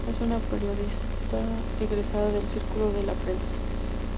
Es una periodista egresada del Círculo de la Prensa.